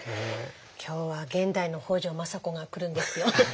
今日は現代の北条政子が来るんですよ。